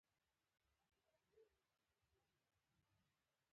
د تا سترګې ښایستې دي